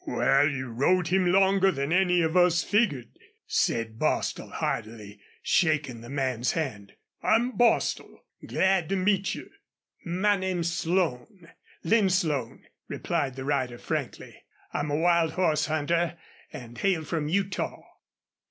"Wal, you rode him longer 'n any of us figgered," said Bostil, heartily shaking the man's hand. "I'm Bostil. Glad to meet you." "My name's Slone Lin Slone," replied the rider, frankly. "I'm a wild horse hunter an' hail from Utah."